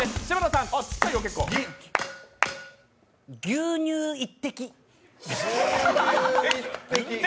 牛乳１滴。